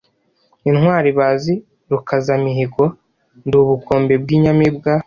Intwari bazi Rukazamihigo, ndi ubukombe bw' inyamibwa